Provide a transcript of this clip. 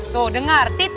tuh dengarin tuh ya